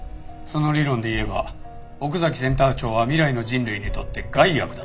その理論でいえば奥崎センター長は未来の人類にとって害悪だった。